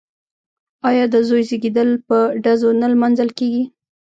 آیا د زوی زیږیدل په ډزو نه لمانځل کیږي؟